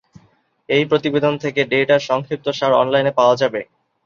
এই প্রতিবেদন থেকে ডেটা সংক্ষিপ্তসার অনলাইনে পাওয়া যাবে।